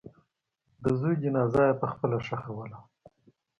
د زوی جنازه یې پخپله ښخوله.